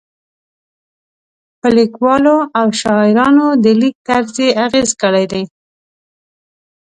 په لیکوالو او شاعرانو د لیک طرز یې اغېز کړی دی.